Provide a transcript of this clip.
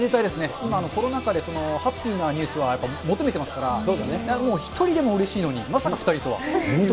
今、コロナ禍でハッピーなニュースは求めてますから、もう１人でもうれしいのに、まさか２人とは。